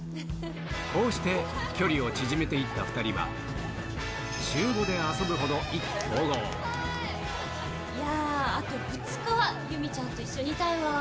こうして距離を縮めていった２人は、いやー、あと２日は由美ちゃんと一緒にいたいわぁ。